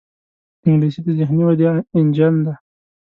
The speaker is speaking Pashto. انګلیسي د ذهني ودې انجن دی